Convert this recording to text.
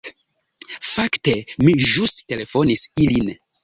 Fakte, mi ĵus telefonis ilin.